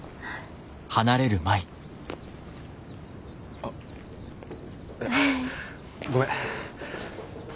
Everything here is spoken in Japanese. あ。ごめん。